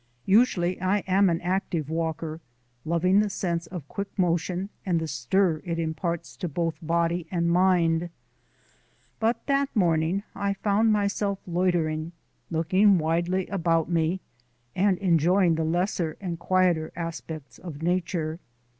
Usually I am an active walker, loving the sense of quick motion and the stir it imparts to both body and mind, but that morning I found myself loitering, looking widely about me, and enjoying the lesser and quieter aspects of nature.